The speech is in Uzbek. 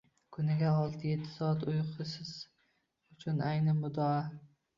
Kuniga olti-etti soat uyqu siz uchun ayni muddao.